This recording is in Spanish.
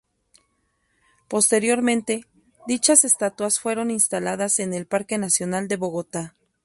Posteriormente, dichas estatuas fueron instaladas en el Parque Nacional de Bogotá.